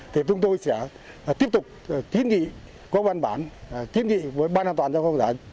thì chúng tôi sẽ tiếp tục kiến nghị với bàn an toàn giao thông